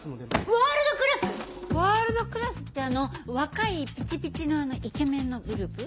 ワールドクラス⁉ワールドクラスってあの若いピチピチのあのイケメンのグループ？